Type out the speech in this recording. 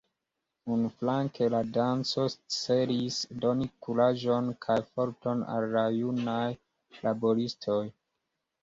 Unuflanke la danco celis doni kuraĝon kaj forton al la junaj laboristoj.